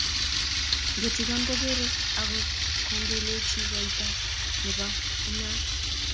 ngetigon ko kergei ak kengololchi koita ne bo inat